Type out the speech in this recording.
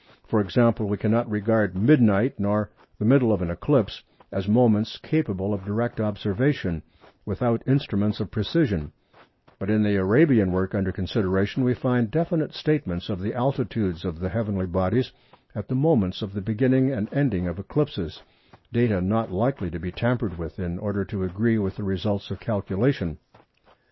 For example, we cannot regard "midnight" nor "the middle of an eclipse" as moments capable of direct observation without instruments of precision; but in the Arabian work under consideration we find definite statements of the altitudes of the heavenly bodies at the moments of the beginning and ending of eclipses—data not likely to be tampered with in order to agree with the results of calculation.